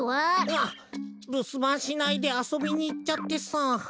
あっるすばんしないであそびにいっちゃってさ。